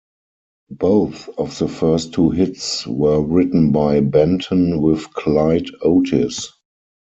Both of the first two hits were written by Benton with Clyde Otis.